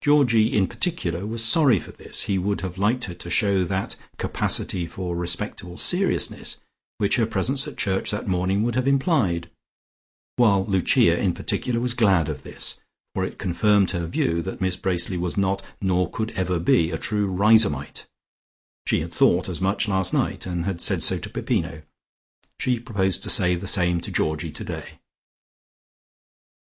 Georgie, in particular, was sorry for this; he would have liked her to show that capacity for respectable seriousness which her presence at church that morning would have implied; while Lucia, in particular, was glad of this, for it confirmed her view that Miss Bracely was not, nor could ever be, a true Riseholmite. She had thought as much last night, and had said so to Peppino. She proposed to say the same to Georgie today.